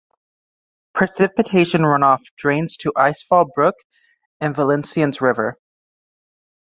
Precipitation runoff drains to Icefall Brook and Valenciennes River.